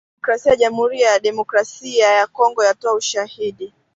Demokrasia ya Jamuhuri ya Demokrasia ya Kongo yatoa ushahidi